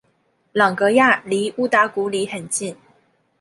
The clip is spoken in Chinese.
朗格亚离乌达古里很近。